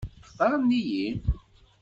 Xtaṛent-iyi?